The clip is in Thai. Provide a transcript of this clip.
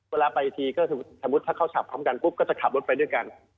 เวลาไปทีถ้าเข้าชับพร้อมกันก็จะขับรถไปด้วยกัน